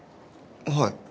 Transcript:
はい。